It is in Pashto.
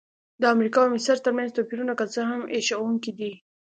د امریکا او مصر ترمنځ توپیرونه که څه هم هیښوونکي دي.